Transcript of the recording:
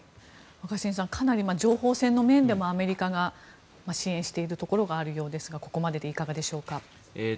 若新さん、かなり情報戦の面でもアメリカが支援しているところがあるようですがここまでで、いかがでしょうか。